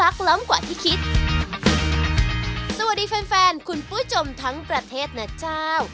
สวัสดีแฟนแฟนคุณผู้ชมทั้งประเทศนะเจ้า